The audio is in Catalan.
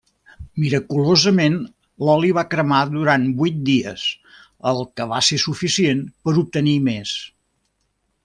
Miraculosament, l'oli va cremar durant vuit dies, el que va ser suficient per obtenir més.